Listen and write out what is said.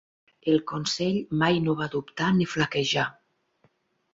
El consell mai no va dubtar ni flaquejar.